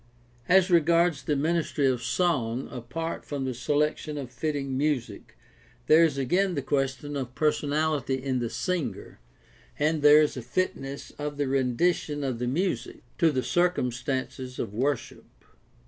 As regards the ministry of song, apart from the selection of fitting music there is again the question of personality in the singer, and there is a fitness of the rendition of the music to the circum 6i8 GUIDE TO STUDY OF CHRISTIAN RELIGION stances of worship.